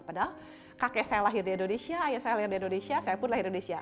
padahal kakek saya lahir di indonesia ayah saya lahir di indonesia saya pun lahir indonesia